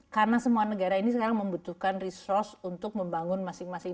karena semua negara ini sekarang membutuhkan resource untuk membangun masing masing